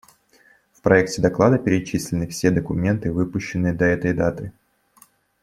В проекте доклада перечислены все документы, выпущенные до этой даты.